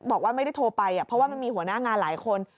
บอกว่าไม่ได้โทรไปเพราะว่ามันมีหัวหน้างานหลายคน